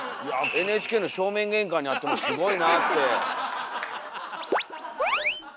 ＮＨＫの正面玄関にあってもすごいなって。